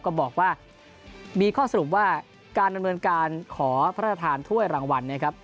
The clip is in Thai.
ก็บอกว่ามีข้อสรุปว่าการดำเนินการขอพระราชทานถ้วยรางวัลนะครับ